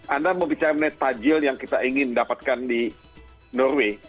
anda mau bicara mengenai tajil yang kita ingin dapatkan di norway